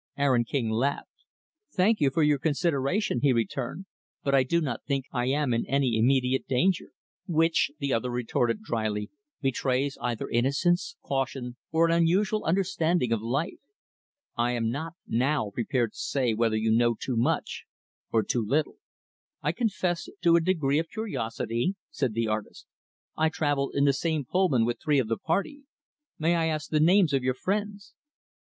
Aaron King laughed. "Thank you for your consideration," he returned, "but I do not think I am in any immediate danger." "Which" the other retorted dryly "betrays either innocence, caution, or an unusual understanding of life. I am not, now, prepared to say whether you know too much or too little." "I confess to a degree of curiosity," said the artist. "I traveled in the same Pullman with three of the party. May I ask the names of your friends?"